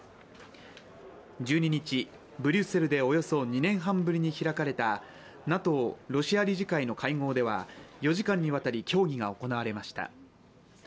１２日、ブリュッセルでおよそ２年半ぶりに開かれたＮＡＴＯロシア理事会の会合では４時間にわたり協議が行われました